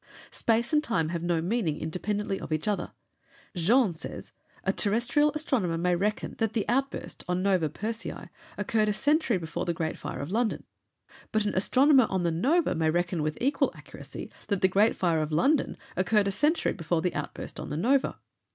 Space and time have no meaning independently of each other. Jeans says. 'A terrestrial astronomer may reckon that the outburst on Nova Persei occurred a century before the great fire of London, but an astronomer on the Nova may reckon with equal accuracy that the great fire occurred a century before the outburst on the Nova.'